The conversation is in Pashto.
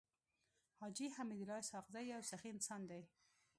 حاجي حميدالله اسحق زی يو سخي انسان دی.